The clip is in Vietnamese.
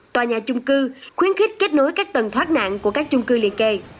tòa nhà chung cư khuyến khích kết nối các tầng thoát nạn của các chung cư liền kề